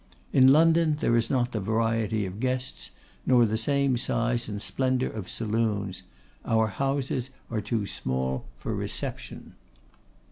In London there is not the variety of guests; nor the same size and splendour of saloons. Our houses are too small for reception.